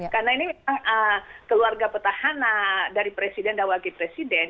karena ini memang keluarga petahana dari presiden dan wakil presiden